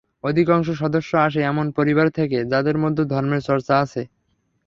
অধিকাংশ সদস্য আসে এমন পরিবার থেকে, যাদের মধ্যে ধর্মের চর্চা আছে।